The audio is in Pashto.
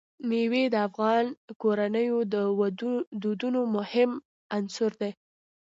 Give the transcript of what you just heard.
مېوې د افغان کورنیو د دودونو مهم عنصر دی.